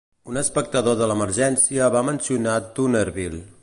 Un espectador de l'Emergència va mencionar Toonerville.